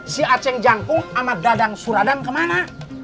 si aceng jangkung sama dadang suradam kemana